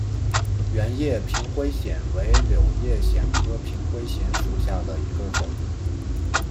圆叶平灰藓为柳叶藓科平灰藓属下的一个种。